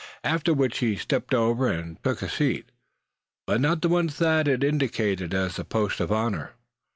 After which he stepped over, and took a seat, but not the one Thad had indicated as the post of honor.